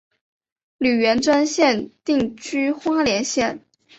李元贞现定居花莲县。